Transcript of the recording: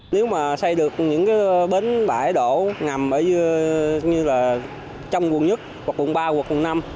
nếu mà xây được những bến bãi đậu ngầm như là trong quận một quận ba quận năm